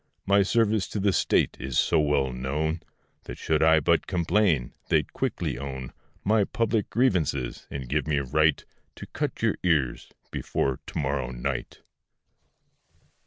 My service to the State is so well known, That should I but complain, they'd quickly own My public grievances; and give me right To cut your ears, before to morrow night.